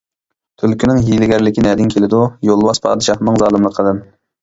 -تۈلكىنىڭ ھىيلىگەرلىكى نەدىن كېلىدۇ؟ -يولۋاس پادىشاھنىڭ زالىملىقىدىن.